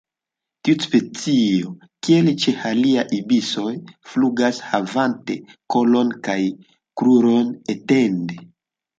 Tiu specio, kiel ĉe aliaj ibisoj, flugas havante kolon kaj krurojn etende.